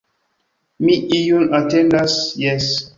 Mi iun atendas, jes!